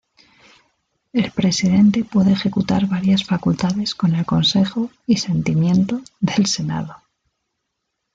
El presidente puede ejecutar varias facultades con el consejo y sentimiento del Senado.